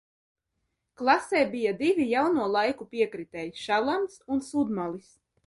Klasē bija divi jauno laiku piekritēji, Šalms un Sudmalis.